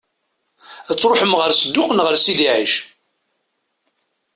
Ad tṛuḥem ɣer Sedduq neɣ ɣer Sidi Ɛic?